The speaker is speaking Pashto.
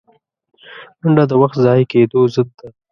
منډه د وخت ضایع کېدو ضد ده